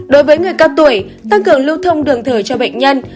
đối với người cao tuổi tăng cường lưu thông đường thở cho bệnh nhân